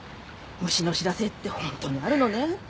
虫の知らせって本当にあるのねって。